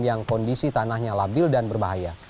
yang kondisi tanahnya labil dan berbahaya